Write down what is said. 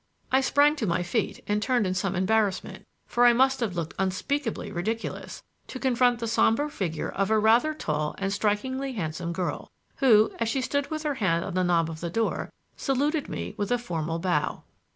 I sprang to my feet and turned in some embarrassment (for I must have looked unspeakably ridiculous) to confront the somber figure of a rather tall and strikingly handsome girl, who, as she stood with her hand on the knob of the door, saluted me with a formal bow.